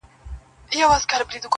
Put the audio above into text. په جرګو کي به ګرېوان ورته څیرمه!!